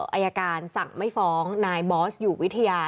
อายการสั่งไม่ฟ้องนายบอสอยู่วิทยา